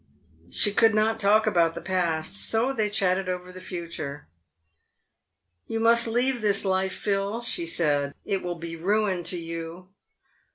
She could not talk about the past, so they chatted over the future. " Tou must leave this life, Phil," she said ;" it will be ruin to you."